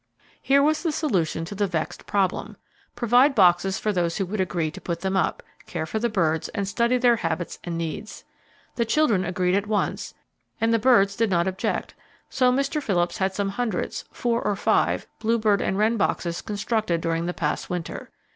Here was the solution to the vexed problem. Provide boxes for those who would agree to put them up, care for the birds, and study their habits and needs. The children agreed at once, and the birds did not object, so Mr. Phillips had some hundreds, four or five, blue bird and wren boxes constructed during the past winter.